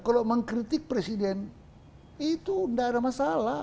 kalau mengkritik presiden itu tidak ada masalah